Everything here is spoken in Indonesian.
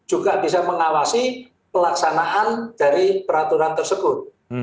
juga bisa mengawasi pelaksanaan dari peraturan tersebut